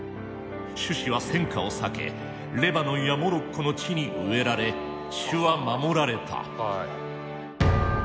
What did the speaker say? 種子は戦火を避けレバノンやモロッコの地に植えられ種は守られた。